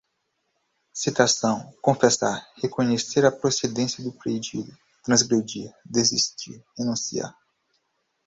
citação, confessar, reconhecer a procedência do pedido, transigir, desistir, renunciar